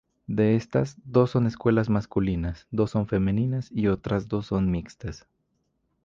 De estas, dos son escuelas masculinas, dos son femeninas y otras dos son mixtas.